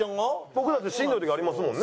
僕だってしんどい時ありますもんね。